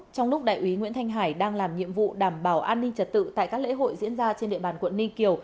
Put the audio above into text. trong lúc đại úy nguyễn thanh hải đang làm nhiệm vụ đảm bảo an ninh trật tự tại các lễ hội diễn ra trên địa bàn quận ninh kiều